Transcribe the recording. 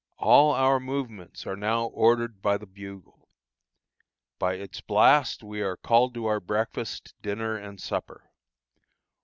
All our movements are now ordered by the bugle. By its blast we are called to our breakfast, dinner and supper.